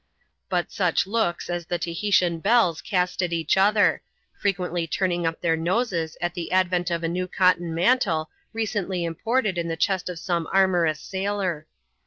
But such looks as the Tahitian belles cast at each other: frequently turning up their noses at the advent of a new cotton mantle recently imported in the chest of some amorous sailor.